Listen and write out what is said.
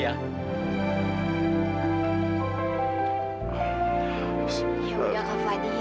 ya udah kak fadil